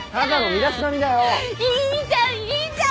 いいじゃんいいじゃん！